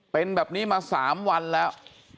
เป็นแบบนี้มา๓วันแล้ว